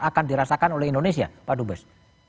akan dirasakan oleh indonesia pak dubes